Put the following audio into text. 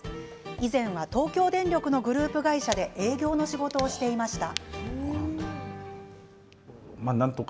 以前は東京電力のグループ会社で営業の仕事をしていました。